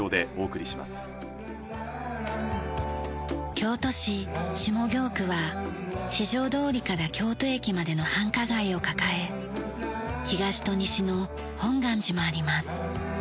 京都市下京区は四条通から京都駅までの繁華街を抱え東と西の本願寺もあります。